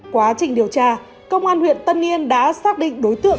quá trình điều tra công an huyện tân yên đã xác định đối tượng